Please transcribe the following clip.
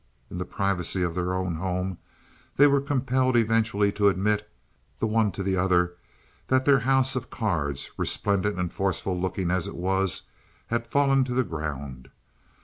In the privacy of their own home they were compelled eventually to admit, the one to the other, that their house of cards, resplendent and forceful looking as it was, had fallen to the ground.